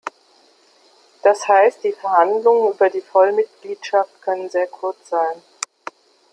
Das heißt, die Verhandlungen über die Vollmitgliedschaft können sehr kurz sein.